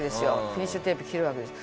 フィニッシュテープ切るわけです。